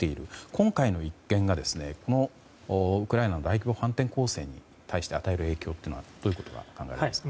今回の一件がウクライナの大規模反転攻勢に与える影響はどういうことが考えられますか？